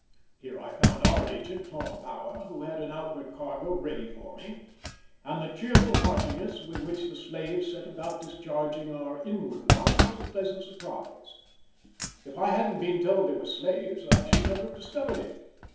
Here I found our agent Tom Power, who had an outward cargo ready for me, and the cheerful heartiness with which the slaves set about discharging our inward one was a pleasant surprise; if I hadn't been told they were slaves I should never have discovered it.